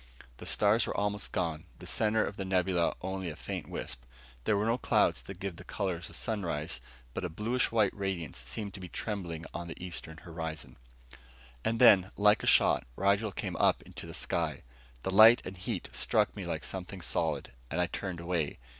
The stars were almost gone, the center of the nebula only a faint wisp. There were no clouds to give the colors of sunrise, but a bluish white radiance seemed to be trembling on the eastern horizon. And then, like a shot, Rigel came up into the sky. The light and heat struck me like something solid, and I turned away.